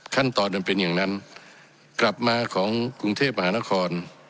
มันเป็นอย่างนั้นกลับมาของกรุงเทพมหานคร